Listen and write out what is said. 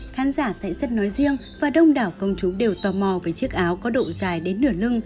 khán giả tại sách nói riêng và đông đảo công chúng đều tò mò về chiếc áo có độ dài đến nửa lưng